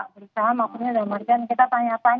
berusaha maksudnya kita tanya tanya gitu kan